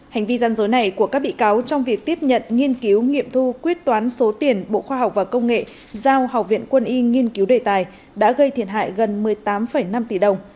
hành vi gian dối này của các bị cáo trong việc tiếp nhận nghiên cứu nghiệm thu quyết toán số tiền bộ khoa học và công nghệ giao học viện quân y nghiên cứu đề tài đã gây thiệt hại gần một mươi tám năm tỷ đồng